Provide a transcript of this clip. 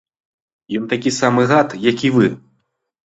Ён такі самы гад, як і вы.